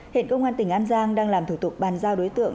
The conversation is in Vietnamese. hiện công an tỉnh an giang đang làm thủ tục bàn giao đối tượng